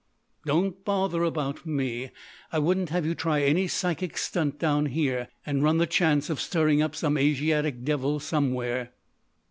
"Don't bother about me. I wouldn't have you try any psychic stunt down here, and run the chance of stirring up some Asiatic devil somewhere!"